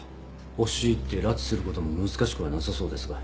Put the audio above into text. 押し入って拉致することも難しくはなさそうですが。